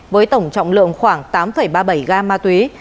với tổng trọng lượng khoảng tám ba mươi bảy gam ma túy